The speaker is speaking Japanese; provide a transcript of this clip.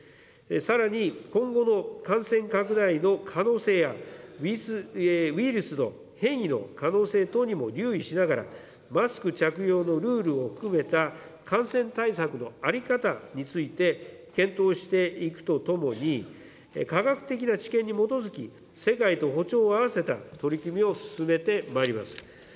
さらに、今後も感染拡大の可能性や、ウイルスの変異の可能性等にも留意しながら、マスク着用のルールを含めた、感染対策の在り方について検討していくとともに、科学的な知見に基づき、世界と歩調を合わせた取り組みを進めてまいります。